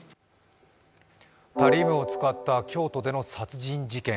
タリウムを使った京都での殺人事件。